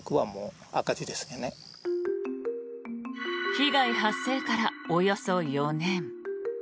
被害発生からおよそ４年。